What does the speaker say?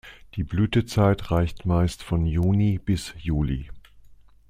Die Blütezeit reicht meist von Juni bis Juli.